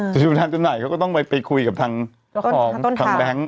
ที่ตัวแทนจำหน่ายเขาก็ต้องไปคุยกับทางต้นทาง